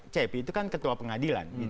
cepi itu kan ketua pengadilan